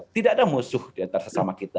tidak ada musuh di antara sesama kita